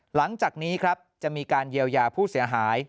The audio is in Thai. หลังจากนี้ครับจะมีการเยียวยาผู้เสียหาย